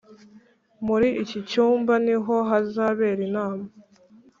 muri iki cyumba niho hazabera inama.